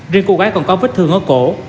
riêng cô gái còn có vết thương ở cổ